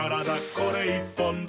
これ１本で」